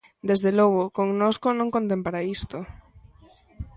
Desde logo, connosco non conten para isto.